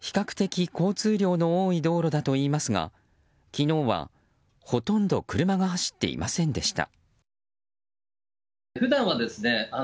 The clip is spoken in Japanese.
ここは比較的、交通量の多い道路だといいますが昨日はほとんど車が走っていませんでした。